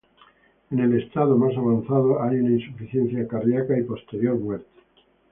En el estado más avanzado hay una insuficiencia cardíaca y posterior muerte.